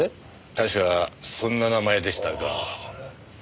確かそんな名前でしたが。